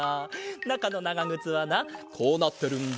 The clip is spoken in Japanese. なかのながぐつはなこうなってるんだ。